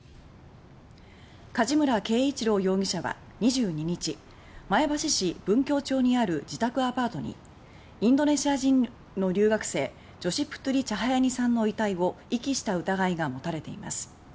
梶村圭一郎容疑者は２２日前橋市文京町にある自宅アパートにインドネシア人の留学生ジョシ・プトゥリ・チャハヤニさんの遺体を遺棄した疑いがもたれています。